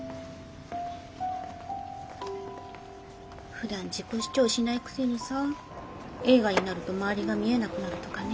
ふだん自己主張しないくせにさ映画になると周りが見えなくなるとかね。